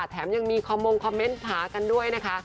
แถมยังมีคอมมงคอมเมนต์หากันด้วยนะคะ